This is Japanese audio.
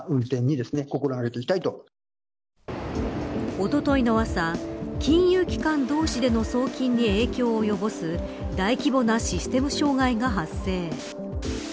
おとといの朝金融機関同士での送金に影響を及ぼす大規模なシステム障害が発生。